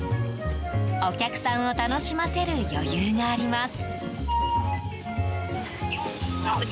お客さんを楽しませる余裕があります。